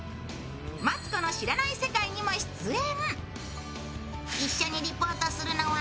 「マツコの知らない世界」にも出演。